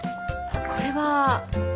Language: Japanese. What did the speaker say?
これは。